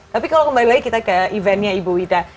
tapi kalau kembali lagi kita ke eventnya ibu wida